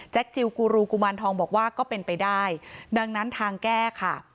จิลกูรูกุมารทองบอกว่าก็เป็นไปได้ดังนั้นทางแก้ค่ะ